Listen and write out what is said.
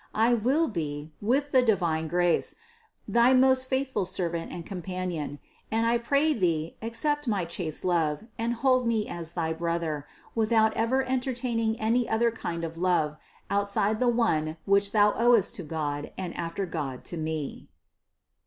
I will be, with the divine grace, thy most faithful servant and companion, and I pray Thee accept my chaste love and hold me as thy brother, with out ever entertaining any other kind of love, outside the one which Thou owest to God and after God to me."